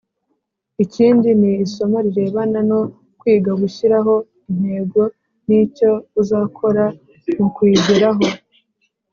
Ikindi ni isomo rirebana no kwiga gushyiraho intego n’icyo uzakora mu kuyigeraho.